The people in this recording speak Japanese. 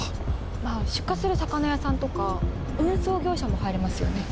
まぁ出荷する魚屋さんとか運送業者も入れますよね。